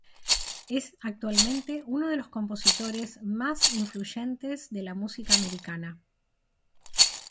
Es actualmente uno de los compositores más influyentes de la música americana.